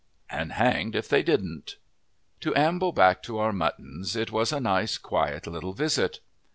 And hanged if they didn't! To amble back to our muttons, it was a nice, quiet little visit.